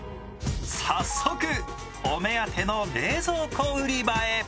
早速お目当ての冷蔵庫売り場へ。